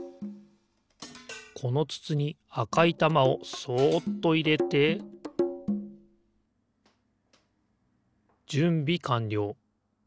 このつつにあかいたまをそっといれてじゅんびかんりょう。